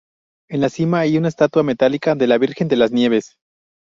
En la cima hay una estatua metálica de la Virgen de las Nieves.